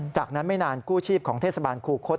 จากนั้นไม่นานกู้ชีพของเทศบาลคูคศ